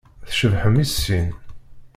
Tcebḥem i sin.